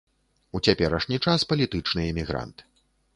У цяперашні час палітычны эмігрант.